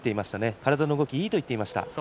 体の動きがいいと言っていました。